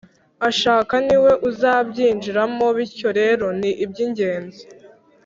ashaka ni we uzabwinjiramo Bityo rero ni iby ingenzi